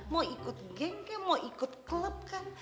mau ikut geng kek mau ikut klub kan